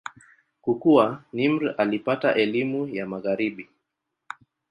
Kukua, Nimr alipata elimu ya Magharibi.